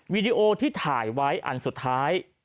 วีดีโอที่ถ่ายไว้อันสุดท้าย